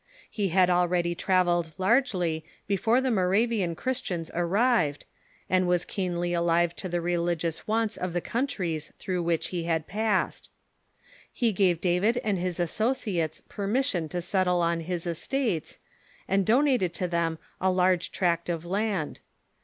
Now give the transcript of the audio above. He had already travelled larfjelv Zinzendorf , at •/ n •.•• i i beiore tlie Moravian Christians arrived, and was keenly alive to the religious wants of the countries through which he had passed. He gave David and his associates per mission to settle on his estates, and donated to them a large tract of land.